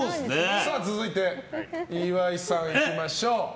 続いて、岩井さんいきましょう。